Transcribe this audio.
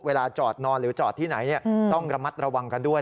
เวลาจอดนอนหรือจอดที่ไหนต้องระมัดระวังกันด้วย